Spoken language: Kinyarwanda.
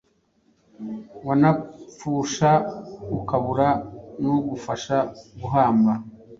Wanapfusha ukabura n’ugufasha guhamba